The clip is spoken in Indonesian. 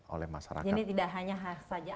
oleh masyarakat ini tidak hanya saja